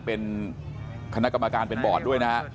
เป็นคณะกรรมการเป็นบอร์ดด้วยนะฮะ